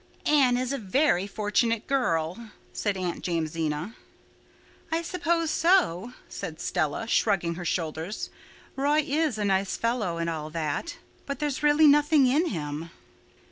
"Anne is a very fortunate girl," said Aunt Jamesina. "I suppose so," said Stella, shrugging her shoulders. "Roy is a nice fellow and all that. But there's really nothing in him."